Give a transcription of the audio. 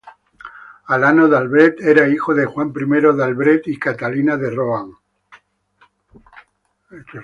Alano de Albret era hijo de Juan I de Albret y Catalina de Rohan.